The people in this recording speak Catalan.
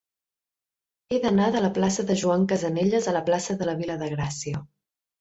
He d'anar de la plaça de Joan Casanelles a la plaça de la Vila de Gràcia.